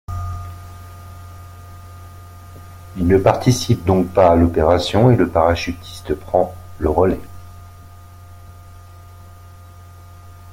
Ils ne participent donc pas à l'opération et le parachutiste prend le relais.